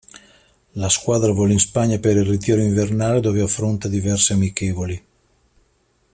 La squadra vola in Spagna per il ritiro invernale dove affronta diverse amichevoli.